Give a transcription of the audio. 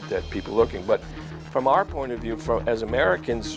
tapi dari sudut pandang kita sebagai amerika